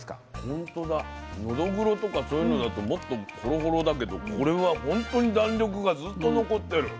のどぐろとかそういうのだともっとホロホロだけどこれはほんとに弾力がずっと残ってる。